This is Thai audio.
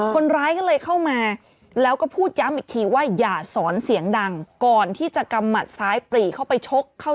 คนร้ายก็เลยเข้ามา